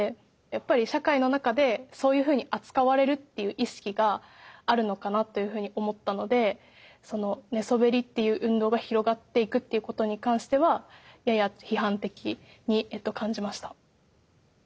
やっぱり社会の中でそういうふうに扱われるっていう意識があるのかなというふうに思ったのでその寝そべりっていう運動が広がっていくっていうことに関してはやや批判的に感じました。